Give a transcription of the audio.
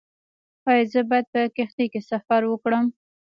ایا زه باید په کښتۍ کې سفر وکړم؟